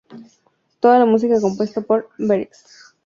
Toda la música compuesta por Berserk.